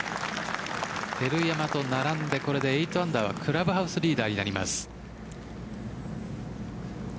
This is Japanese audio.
照山と並んでこれで８アンダーはクラブハウスリーダーになります。